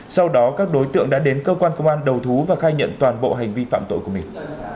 sau đó các đối tượng đã đến cơ quan công an đầu thú và khai nhận toàn bộ hành vi phạm tội của mình